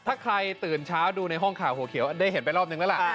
ถ้าใครตื่นเช้าดูในห้องข่าวหัวเขียวได้เห็นไปรอบนึงแล้วล่ะ